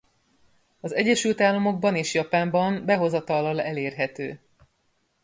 Az Egyesült Államokban és Japánban behozatallal elérhető.